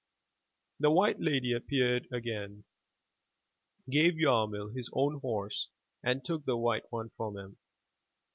The white lady appeared again, gave Yarmil his own horse and took the white one from him.